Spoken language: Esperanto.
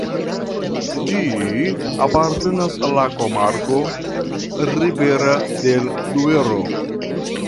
Ĝi apartenas al la komarko "Ribera del Duero".